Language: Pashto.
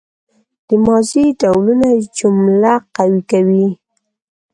د ماضي ډولونه جمله قوي کوي.